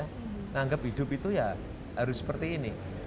menganggap hidup itu ya harus seperti ini